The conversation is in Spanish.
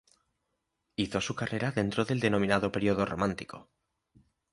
Hizo su carrera dentro del denominado periodo romántico.